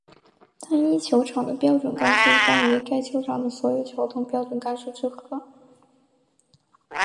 单一球场的标准杆数一般为该球场的所有球洞标准杆数之总和。